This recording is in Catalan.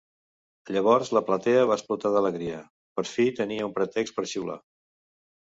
Llavors la platea va explotar d'alegria: per fi tenia un pretext per xiular!